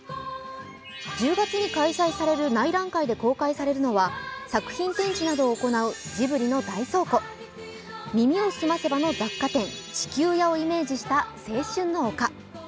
１０月に開催される内覧会て公開されるのは作品展示などを行うジブリの大倉庫、「耳をすませば」の雑貨店、地球屋をイメージした青春の丘。